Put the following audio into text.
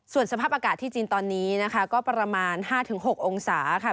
ส่วนสภาพอากาศที่จีนตอนนี้นะคะก็ประมาณ๕๖องศาค่ะ